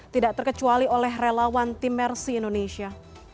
tidak terkecuali oleh relawan tim mercy indonesia